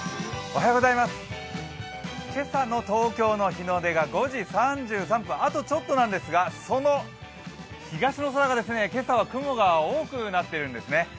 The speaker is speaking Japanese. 今朝の東京の日の出が５時３３分、あとちょっとなんですが、その東の空が今朝は雲が多くなっているんですね。